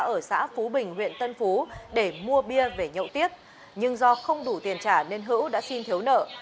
ở xã phú bình huyện tân phú để mua bia về nhậu tiếp nhưng do không đủ tiền trả nên hữu đã xin thiếu nợ